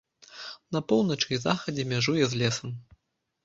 На поўначы і захадзе мяжуе з лесам.